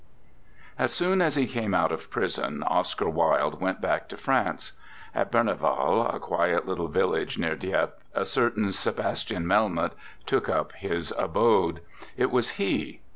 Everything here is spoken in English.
III. As soon as he came out of prison, Oscar Wilde went back to France. At Berneval, a quiet little village near Dieppe, a certain 'Sebastian Melmoth' took up his abode. It was he.